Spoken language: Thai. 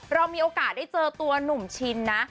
เรามีโอกาสได้เจอตัวหนุ่มชินนะ